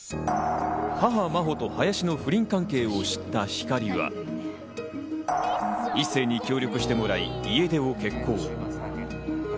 母・真帆と林の不倫関係を知った光莉は一星に協力してもらい、家出を決行。